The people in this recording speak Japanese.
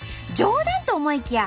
冗談と思いきや